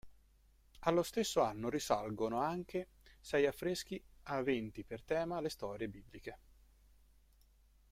Allo stesso anno risalgono anche sei affreschi aventi per tema le storie bibliche.